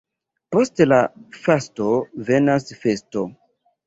Post la fasto venas festo.